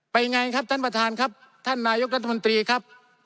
ไงครับท่านประธานครับท่านนายกรัฐมนตรีครับ